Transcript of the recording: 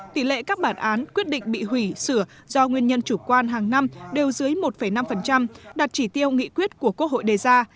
tỷ lệ các bản án quyết định bị hủy sửa do nguyên nhân chủ quan hàng năm đều dưới một năm đạt chỉ tiêu nghị quyết của quốc hội đề ra